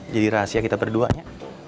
jadi rahasia kita berduanya